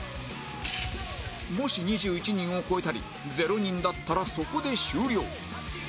もし２１人を超えたり０人だったらそこで終了